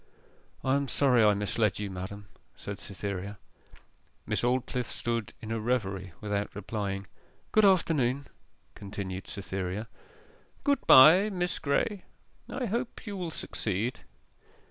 'I am sorry I misled you, madam,' said Cytherea. Miss Aldclyffe stood in a reverie, without replying. 'Good afternoon,' continued Cytherea. 'Good bye, Miss Graye I hope you will succeed.